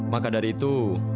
maka dari itu